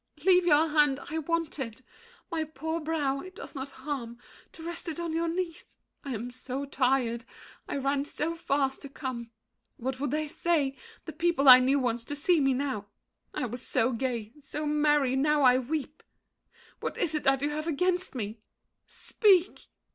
Leave your hand, I want it. My poor brow, it does no harm To rest it on your knees. I am so tired; I ran so fast to come! What would they say, The people I knew once, to see me now? I was so gay, so merry; now I weep! What is it that you have against me? Speak!